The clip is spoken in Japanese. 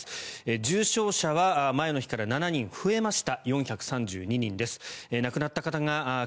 重症者は前の日から７人増えました。